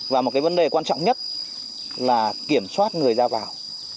và một cái vấn đề quan trọng nhất là kiểm soát người ra vào